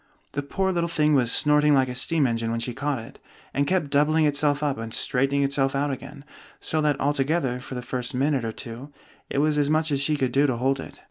The poor little thing was snorting like a steam engine when she caught it, and kept doubling itself up and straightening itself out again; so that altogether, for the first minute or two, it was as much as she could do to hold it.